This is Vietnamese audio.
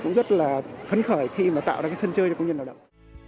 cũng rất là phấn khởi khi mà tạo ra cái sân chơi cho công nhân lao động